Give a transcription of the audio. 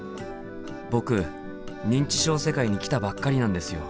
僕認知症世界に来たばっかりなんですよ。